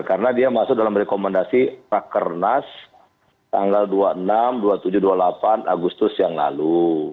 karena dia masuk dalam rekomendasi pak kernas tanggal dua puluh enam dua puluh tujuh dua puluh delapan agustus yang lalu